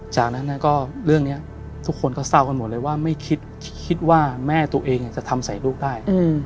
จากนั้นก็เรื่องนี้ทุกคนก็เศร้ากันหมดเลยว่าไม่คิดว่าแม่ตัวเองจะทำใส่ลูกได้